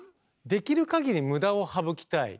できるかぎり無駄を省きたい。